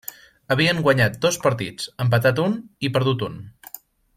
Havien guanyat dos partits, empatat un i perdut un.